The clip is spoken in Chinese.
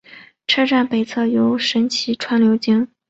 车站北侧有神崎川流经。